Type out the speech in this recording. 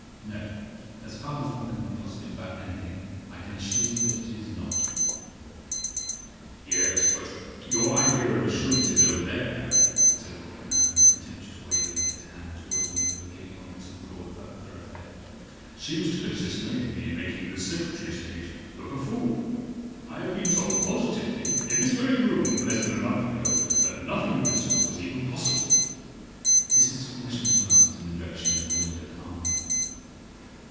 "No. As far as one can be positive about anything I can assure you that it is not." "Yes. But your idea of assurances over there," said the great man, with a contemptuous wave of his hand towards a window giving on the broad thoroughfare, "seems to consist mainly in making the Secretary of State look a fool. I have been told positively in this very room less than a month ago that nothing of the sort was even possible." The Assistant Commissioner glanced in the direction of the window calmly.